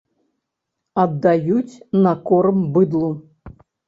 Аддаюць на корм быдлу.